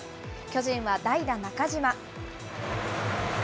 巨人は代打、中島。